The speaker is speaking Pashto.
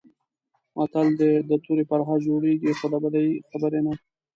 متل دی: د تورې پرهر جوړېږي، خو د بدې خبرې نه.